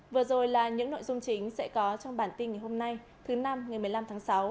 vừa rồi là những nội dung chính sẽ có trong bản tin ngày hôm nay thứ năm ngày một mươi năm tháng sáu